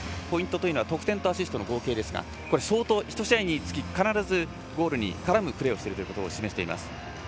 ポイントというのは得点とアシストの合計ですが相当、１試合につき必ずゴールに絡むプレーをしていることを示してます。